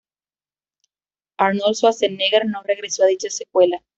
Arnold Schwarzenegger no regresó a dicha secuela.